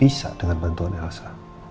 bisa dengan bantuan elsa